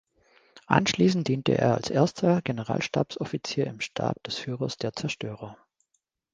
Anschließend diente er als Erster Generalstabsoffizier im Stab des Führers der Zerstörer.